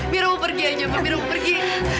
mira mau pergi aja ma mira mau pergi